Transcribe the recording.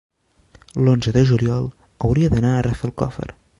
L'onze de juliol hauria d'anar a Rafelcofer.